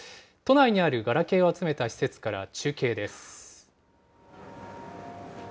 都内にあるガラケーを集めた施設から中継です。